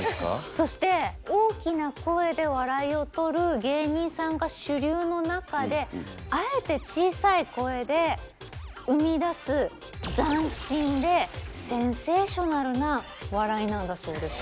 そして大きな声で笑いを取る芸人さんが主流の中であえて小さい声で生み出す斬新でセンセーショナルな笑いなんだそうです。